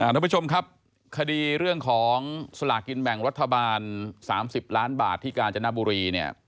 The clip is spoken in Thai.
ทุกผู้ชมครับคดีเรื่องของสลากินแบ่งรัฐบาล๓๐ล้านบาทที่กาญจนบุรีเนี่ย